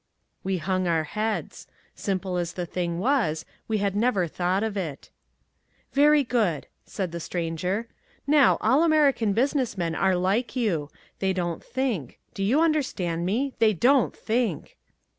We hung our heads. Simple as the thing was, we had never thought of it. "Very good," said the Stranger. "Now, all American business men are like you. They don't think, do you understand me? They don't think."